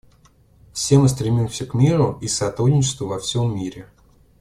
Все мы стремимся к миру и сотрудничеству во всем мире.